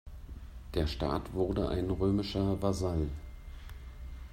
Der Staat wurde ein römischer Vasall.